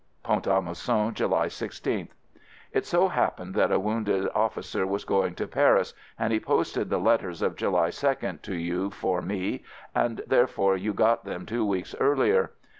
Pont a Mousson, July 16tk. It so happened that a wounded officer was going to Paris and he posted the let ters of July 2d to you for me, and there fore you got them two weeks earlier.